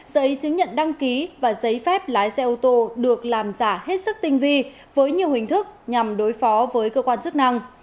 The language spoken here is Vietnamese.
giấy chứng nhận đăng ký và giấy phép lái xe ô tô được làm giả hết sức tinh vi với nhiều hình thức nhằm đối phó với cơ quan chức năng